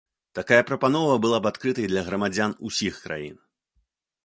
Такая прапанова была б адкрытай для грамадзян усіх краін.